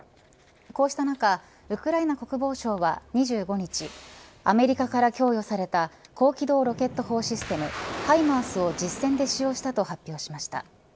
こうした中ウクライナ国防省は２５日アメリカから供与された高機動ロケット砲システムハイマースを実戦で使用したと発表しました。